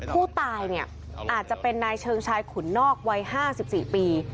ผู้ตายเนี่ยอาจจะเป็นนายเชิงชายขุนนอกวัย๕๔ปี